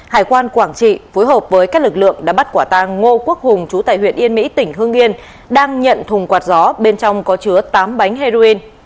hải quan quảng trị phối hợp với các lực lượng đã bắt quả tang ngô quốc hùng chú tại huyện yên mỹ tỉnh hương yên đang nhận thùng quạt gió bên trong có chứa tám bánh heroin